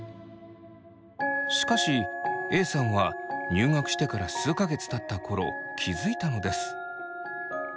しかしＡさんは入学してから数か月たった頃気付いたのです。